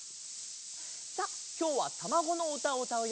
さあきょうはたまごのうたをうたうよ。